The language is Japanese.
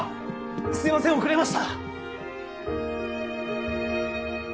すいません遅れました！